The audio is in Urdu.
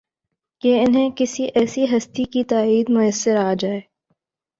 کہ انہیں کسی ایسی ہستی کی تائید میسر آ جائے